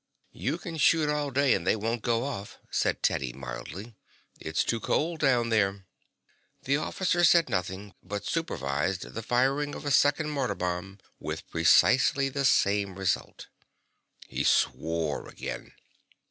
"You can shoot all day and they won't go off," said Teddy mildly. "It's too cold down there." The officer said nothing, but supervised the firing of a second mortar bomb with precisely the same result. He swore again.